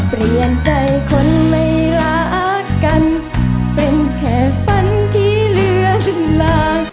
เปลี่ยนใจคนไม่รักกันเป็นแค่ฝันที่เหลือขึ้นมา